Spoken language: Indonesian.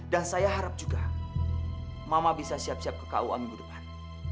dan saya harap juga mama bisa siap siap ke kua minggu depan